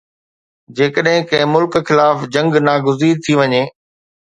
جيڪڏهن ڪنهن ملڪ خلاف جنگ ناگزير ٿي وڃي